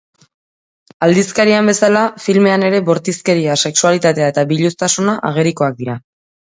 Aldizkarian bezala, filmean ere bortizkeria, sexualitatea eta biluztasuna agerikoak dira.